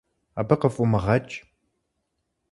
Абы къыфӀумыгъэкӀ.